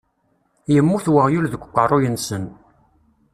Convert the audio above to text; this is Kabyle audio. Yemmut weɣyul seg uqeṛṛuy-nsen.